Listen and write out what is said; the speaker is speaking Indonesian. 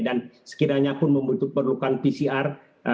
dan sekiranya pun membutuhkan pcr